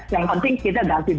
yang penting kita ganti